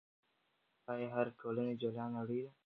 آیا هره ټولنه جلا نړۍ ده؟